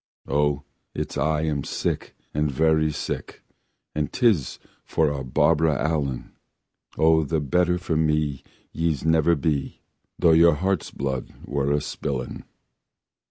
"O it's I am sick and very very sick, And 'tis a' for Barbara Allen." "O the better for me ye'se never be, Tho your heart's blood were a spillin'!.